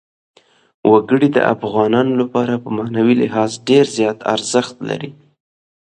وګړي د افغانانو لپاره په معنوي لحاظ ډېر زیات ارزښت لري.